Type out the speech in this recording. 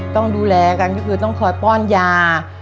ต้องดูแลกันก็คือต้องคอยป้อนยา